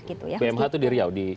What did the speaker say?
bmh itu di riau